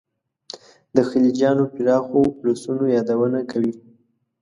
د خلجیانو پراخو اولسونو یادونه کوي.